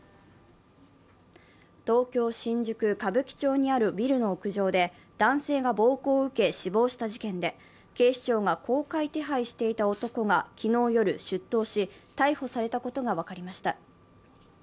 東京・新宿歌舞伎町にあるビルの屋上で男性が暴行を受け死亡した事件で、警視庁が公開手配していた男が昨日夜出頭し、逮捕されたことが分かりました。